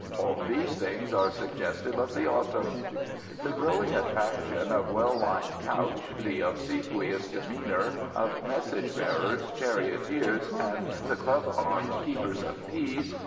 All these things are suggestive of the Autumn. The growing attraction of a well lined couch. The obsequious demeanour of message bearers, charioteers, and the club armed keepers of peace.